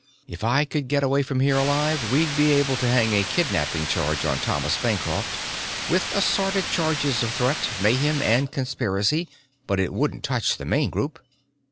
If I could get away from here alive we'd be able to hang a kidnapping charge on Thomas Bancroft, with assorted charges of threat, mayhem and conspiracy, but it wouldn't touch the main group."